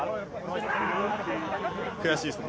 悔しいですね。